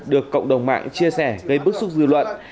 được cộng đồng mạng chia sẻ gây bức xúc dư luận